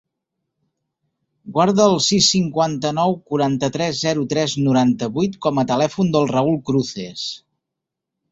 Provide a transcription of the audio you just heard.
Guarda el sis, cinquanta-nou, quaranta-tres, zero, tres, noranta-vuit com a telèfon del Raül Cruces.